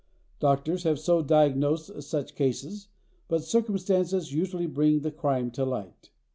Doctors have so diagnosed such cases but circumstances usually bring the crime to light.